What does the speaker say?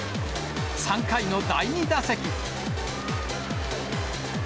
３回の第２打席。